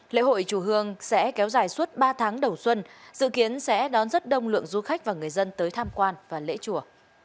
lễ hội chùa hương sẽ kéo dài suốt ba tháng đầu xuân dự kiến sẽ đón rất đông lượng du khách và người dân tới tham quan và lễ chùa